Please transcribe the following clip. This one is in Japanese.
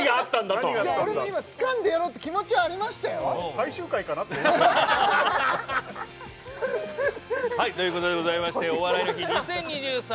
と俺も今つかんでやろうって気持ちはありましたよ最終回かなと思わせるということでございまして「お笑いの日２０２３」